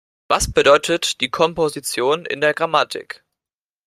Was bedeutet die Komposition in der Grammatik?